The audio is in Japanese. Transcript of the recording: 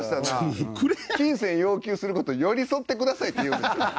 金銭要求することを寄り添ってくださいって言うんですね。